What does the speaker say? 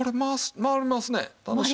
回ります。